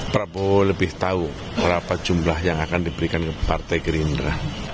prabowo lebih tahu berapa jumlah yang akan diberikan ke partai gerindra